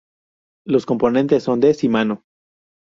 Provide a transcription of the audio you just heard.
Los componentes son de Shimano.